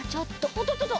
おっとっとっと！